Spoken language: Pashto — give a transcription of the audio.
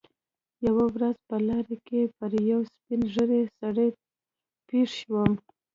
یوه ورځ په لاره کې پر یوه سپین ږیري سړي پېښ شوم.